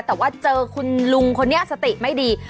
แต่ว่าเจอคุณลุงคนนี้สติไม่ดี